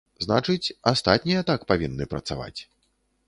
Значыць, астатнія так павінны працаваць.